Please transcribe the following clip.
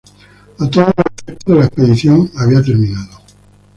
A todos los efectos de la expedición había terminado.